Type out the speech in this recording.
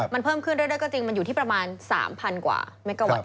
มันเพิ่มขึ้นเรื่อยก็จริงมันอยู่ที่ประมาณ๓๐๐กว่าเมกะวัตต